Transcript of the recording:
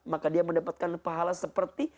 maka dia mendapatkan pahala seperti